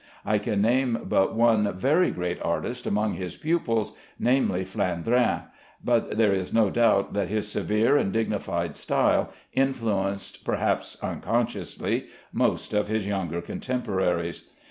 I can name but one very great artist amongst his pupils, namely, Flandrin, but there is no doubt that his severe and dignified style influenced, perhaps unconsciously, most of his younger contemporaries.